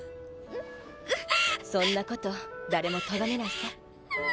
そんな事誰もとがめないさ。